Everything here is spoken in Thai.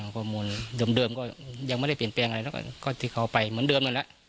ข้อมูลเดิมก็ยังไม่ได้เปลี่ยนแปลงอะไรแล้วก็ที่เขาไปเหมือนเดิมนั่นแหละ